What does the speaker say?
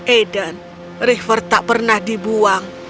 aiden river tak pernah dibuang